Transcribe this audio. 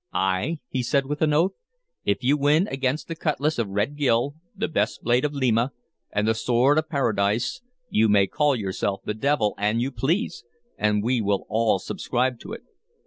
"Ay," he said with an oath. "If you win against the cutlass of Red Gil, the best blade of Lima, and the sword of Paradise, you may call yourself the devil an you please, and we will all subscribe to it."